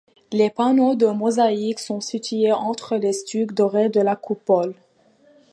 Les panneaux de mosaïque sont situés entre les stucs dorés de la coupole.